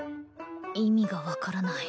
意味が分からない